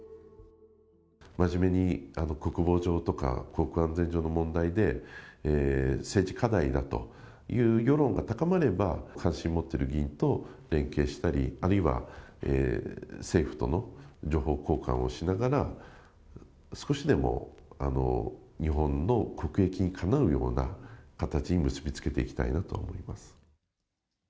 真面目に国防上とか、航空安全上の問題で、政治課題だという世論が高まれば、関心を持っている議員とも連携したり、あるいは政府との情報交換をしながら、少しでも日本の国益にかなうような形に結び付けていきたいなとは思います。